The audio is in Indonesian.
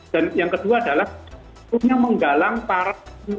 dan yang kedua adalah punya menggalang para